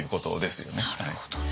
なるほどね。